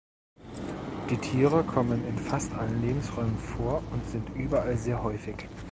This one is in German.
Die Tiere kommen in fast allen Lebensräumen vor und sind überall sehr häufig.